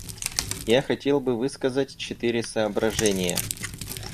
Я хотел бы высказать четыре соображения.